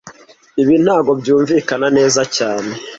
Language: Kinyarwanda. Ibi ntago byumvikana neza cyane